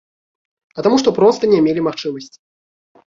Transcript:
А таму, што проста не мелі магчымасці.